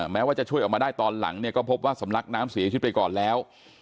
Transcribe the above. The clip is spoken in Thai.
แม้ว่าจะช่วยออกมาได้ตอนหลังเนี่ยก็พบว่าสำลักน้ำเสียชีวิตไปก่อนแล้ว